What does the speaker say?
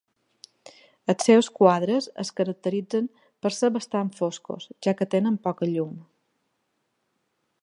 Els seus quadres es caracteritzen per ser bastant foscos, ja que tenen poca llum.